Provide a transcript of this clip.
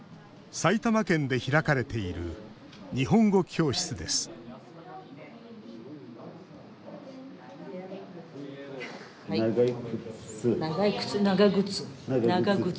埼玉県で開かれている日本語教室です長靴。